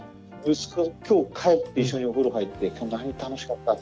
息子今日帰って一緒にお風呂入って「今日何楽しかった？」